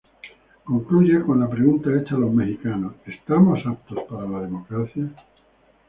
Concluye con la pregunta hecha a los mexicanos: ¿estamos aptos para la democracia?